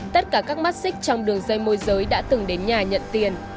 tất cả các mắt xích trong đường dây môi giới đã từng đến nhà nhận tiền